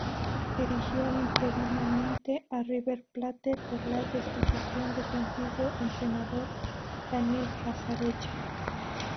Dirigió interinamente a River Plate por la destitución de su antiguo entrenador, Daniel Passarella.